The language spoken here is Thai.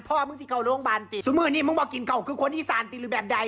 พ่อมึงสิเขาโรงพยาบาลติสมื่อนี้มึงบ่กินเขาก็คือคนอีสานก็เป็นโถลี่แบบใด